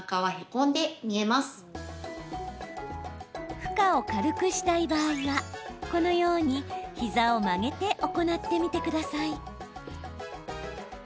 負荷を軽くしたい場合はこのように、膝を曲げて行ってみてください。